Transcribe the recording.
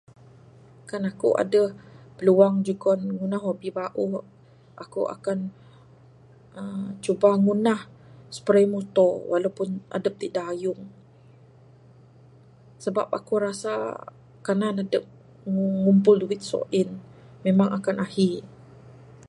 Kan aku adeh piluang jugan ngundah hobi bauh, aku akan uhh cuba ngundah spray muto walaupun adep ti dayung. Sabab aku rasa kanan adep ngumpol duit su in memang akan ahi.